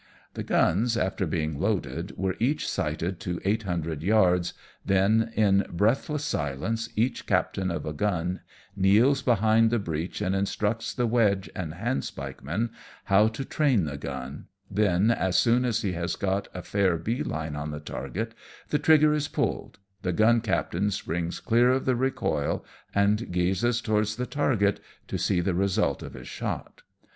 17 The gunsj after being loaded^ were each sighted to eight hundred yards, then in breathless silence, each captain of a gun kneels behind the breech and instructs the wedge and handspike men how to train the gun^ then, as soon as he has got a fair bee line on the target, the trigger is pulled, the gun captain springs clear of the recoil, and gazes towards the target to see the result of his shot.